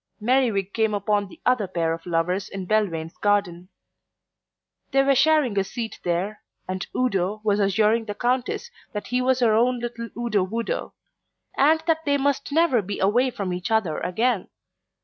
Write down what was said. Merriwig came upon the other pair of lovers in Belvane's garden. They were sharing a seat there, and Udo was assuring the Countess that he was her own little Udo Wudo, and that they must never be away from each other again.